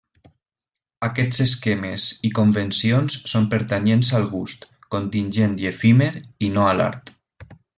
Aquests esquemes i convencions són pertanyents al gust, contingent i efímer, i no a l'art.